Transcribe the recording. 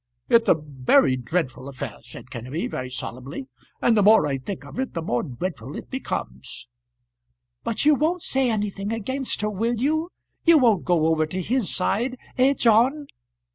"It's a very dreadful affair," said Kenneby, very solemnly; "and the more I think of it the more dreadful it becomes." "But you won't say anything against her, will you? You won't go over to his side; eh, John?"